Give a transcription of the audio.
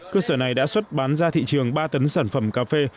cơ sở này đã xuất bán ra thị trường ba tấn sản phẩm cà phê